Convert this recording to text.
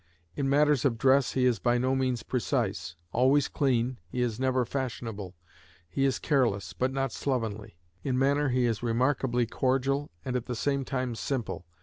In matters of dress he is by no means precise. Always clean, he is never fashionable; he is careless, but not slovenly. In manner he is remarkably cordial and at the same time simple.